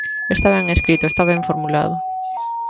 Está ben escrito, está ben formulado.